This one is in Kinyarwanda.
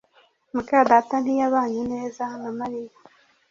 muka data ntiyabanye neza na Mariya